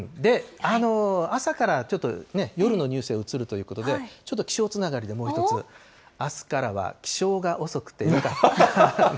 朝からちょっと、夜のニュースに移るということで、ちょっときしょうつながりでもう一つ、あすからは起床が遅くてよかったね。